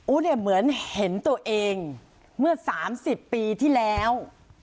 เนี่ยเหมือนเห็นตัวเองเมื่อ๓๐ปีที่แล้ว